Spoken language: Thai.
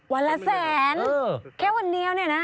วันละแสนแค่วันเดียวเนี่ยนะ